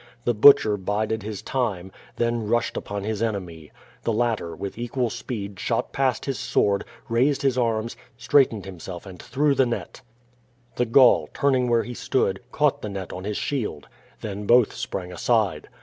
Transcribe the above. The Butcher bided his time, then rushed upon his enemy. The latter with equal speed shot past his sword, raised his arms, straightened himself and threw tho net. 4IO Q^O VADIS. The Gaul, turning where he stood, caught the net on his shield. Then both sprang aside.